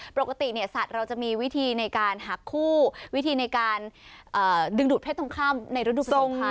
ปกติเนี่ยสัตว์เราจะมีวิธีในการหักคู่วิธีในการดึงดูดเพชรต้องค่ำในระดูกสุดสมภัณฑ์